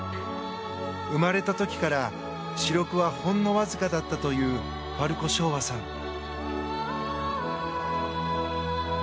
生まれた時から視力はほんのわずかだったというファルコショーワさん。